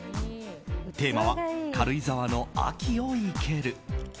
テーマは「軽井沢の秋を生ける」。